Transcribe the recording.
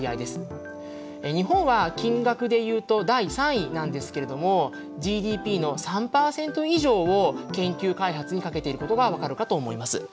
日本は金額でいうと第３位なんですけれどもＧＤＰの３％以上を研究開発にかけていることが分かるかと思います。